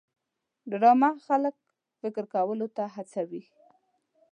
ډرامه خلک فکر کولو ته هڅوي